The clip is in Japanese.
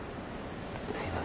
すいません。